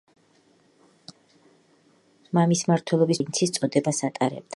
მამის მმართველობის პერიოდში იგი ფუს პრინცის წოდებას ატარებდა.